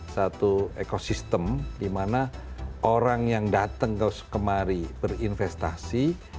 satu ekosistem di mana orang yang datang kemari berinvestasi